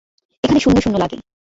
এখানে শুণ্য শুণ্য লাগে।